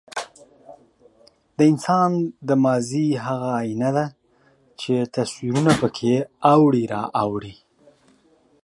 د انسان د ماضي هغه ایینه ده، چې تصویرونه پکې اوړي را اوړي.